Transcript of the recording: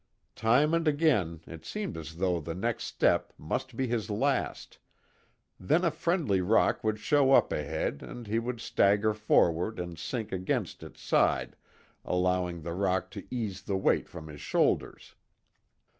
Time and again it seemed as though the next step must be his last, then a friendly rock would show up ahead and he would stagger forward and sink against its side allowing the rock to ease the weight from his shoulders.